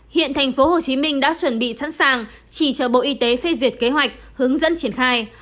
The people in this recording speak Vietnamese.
hiện tp hcm đã chuẩn bị sẵn sàng chỉ cho bộ y tế phê duyệt kế hoạch hướng dẫn triển khai